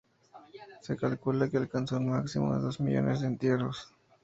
Se calcula que alcanzó un máximo de dos millones de entierros.